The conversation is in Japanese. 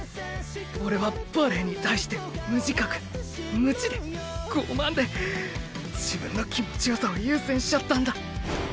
俺はバレエに対して無自覚無知で傲慢で自分の気持ちよさを優先しちゃったんだ。